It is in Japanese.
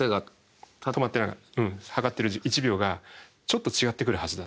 止まって測ってる１秒がちょっと違ってくるはずだと。